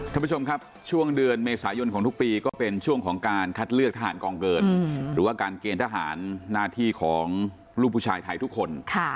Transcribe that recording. ท่านผู้ชมครับช่วงเดือนเมษายนของทุกปีก็เป็นช่วงของการคัดเลือกทหารกองเกินหรือว่าการเกณฑ์ทหารหน้าที่ของลูกผู้ชายไทยทุกคน